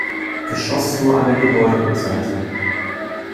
Geschoss nur an der Gebäuderückseite.